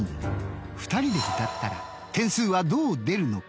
２人で歌ったら点数はどう出るのか？